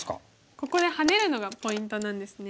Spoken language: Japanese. ここでハネるのがポイントなんですね。